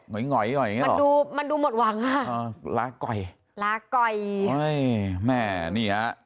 เหง่อยเหง่อยมันดูมันดูหมดหวังลาก่อยลาก่อยโอ้ยแม่นี่ฮะ